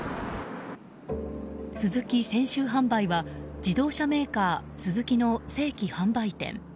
スズキ泉州販売は自動車メーカー、スズキの正規販売店。